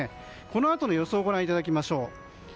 このあとの予想をご覧いただきましょう。